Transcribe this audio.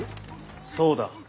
そうだ。